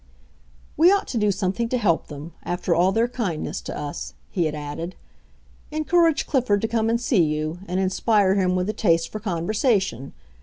"We ought to do something to help them, after all their kindness to us," he had added. "Encourage Clifford to come and see you, and inspire him with a taste for conversation.